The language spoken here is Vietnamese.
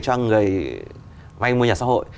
cho người vay mua nhà xã hội